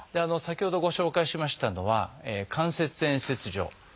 先ほどご紹介しましたのは「関節縁切除」。